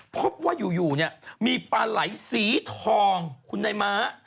พบว่าอยู่เนี่ยมีปลาไหลสีทองคุณนายม้า